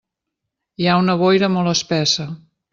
Hi ha una boira molt espessa.